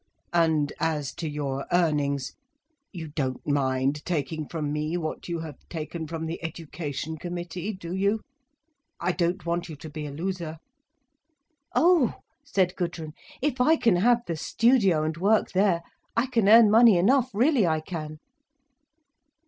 "And as to your earnings—you don't mind taking from me what you have taken from the Education Committee, do you? I don't want you to be a loser." "Oh," said Gudrun, "if I can have the studio and work there, I can earn money enough, really I can."